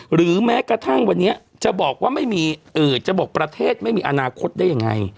หรือแม้กระทั่งวันนี้จะบอกว่าจะบอกประเทศไม่มีอนาคตได้ยังไง